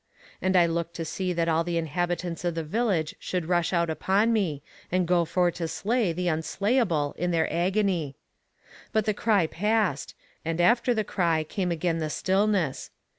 And I looked to see that all the inhabitants of the village should rush out upon me, and go for to slay the unslayable in their agony. But the cry passed, and after the cry came again the stillness.